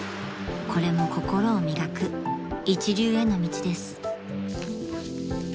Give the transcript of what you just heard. ［これも心を磨く一流への道です］